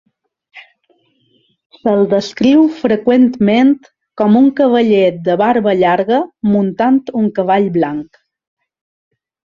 Se'l descriu freqüentment com un cavaller de barba llarga muntant un cavall blanc.